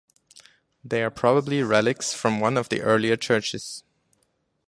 They are probably relics from one of the earlier churches.